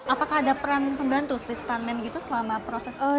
apakah ada peran membantu di stuntman gitu selama proses